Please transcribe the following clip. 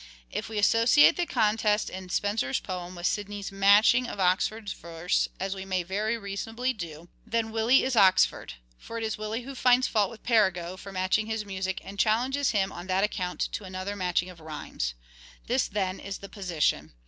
If we associate the contest in Spenser's poem with Sidney's " matching " of Oxford's verse, as we may very reasonably do, then " Willie " is Oxford ; for it is Willie who finds fault with Perigot for matching his music and challenges him on that account to another matching of rhymes. This, then, is the position.